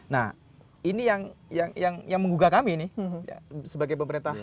nah ini yang menggugah kami nih sebagai pemerintah